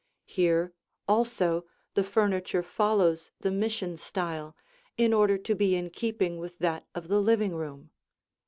Here, also, the furniture follows the Mission style, in order to be in keeping with that of the living room.